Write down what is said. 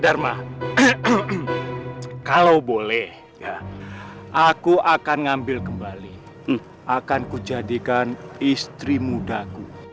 dharma kalau boleh aku akan ngambil kembali akan ku jadikan istri mudaku